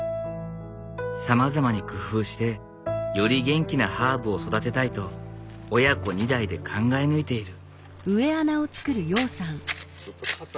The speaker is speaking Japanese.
さまざまに工夫してより元気なハーブを育てたいと親子２代で考え抜いている。